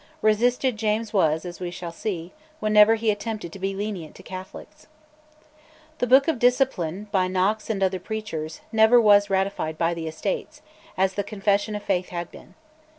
Resisted James was, as we shall see, whenever he attempted to be lenient to Catholics. The Book of Discipline, by Knox and other preachers, never was ratified by the Estates, as the Confession of Faith had been.